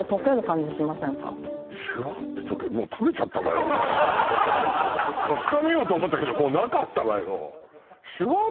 シュワーって溶ける確かめようと思ったけどもうなかったわよ